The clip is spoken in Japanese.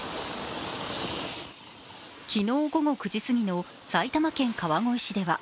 昨日午後９時すぎの埼玉県川越市では